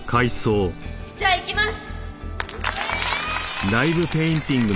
じゃあいきます！